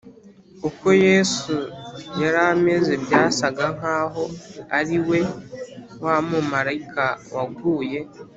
Uko Yesu yari ameze byasaga nkaho ari we wa mumarayika waguye